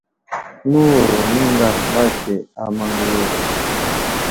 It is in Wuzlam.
Nəwuro nəŋgar ama ge a maŋyo.